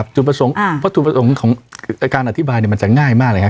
จุดประสงค์วัตถุประสงค์ของการอธิบายมันจะง่ายมากเลยครับ